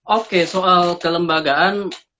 oke soal kelembagaan